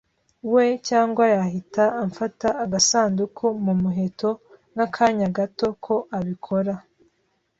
we, cyangwa yahita amfata agasanduku mu muheto, nk'akanya gato ko abikora